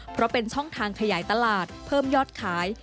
เพราะเป็นช่องทางขยายตลาดเพิ่มยอดขาย